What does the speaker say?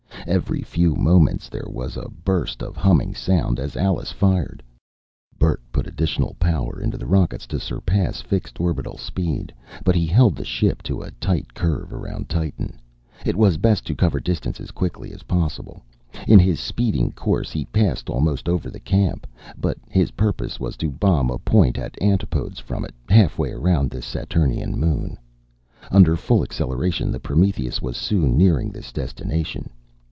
Every few moments there was a burst of humming sound as Alice fired. Bert put additional power into the rockets to surpass fixed orbital speed; but he held the ship to a tight curve around Titan. It was best to cover distance as quickly as possible. In his speeding course, he passed almost over the camp. But his purpose was to bomb a point at antipodes from it, halfway around this Saturnian moon. Under full acceleration, the Prometheus was soon nearing this destination.